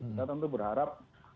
kita tentu berharap